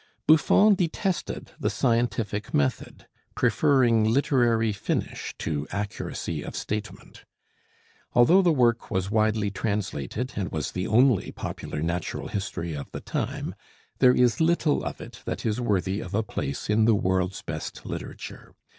Buffon detested the scientific method, preferring literary finish to accuracy of statement. Although the work was widely translated, and was the only popular natural history of the time, there is little of it that is worthy of a place in the world's best literature.